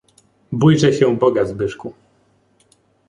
"Bójże się Boga, Zbyszku."